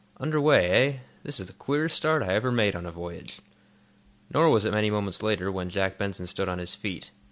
"Under way, eh? This is the queerest start I ever made on a voyage." Nor was it many moments later when Jack Benson stood on his feet.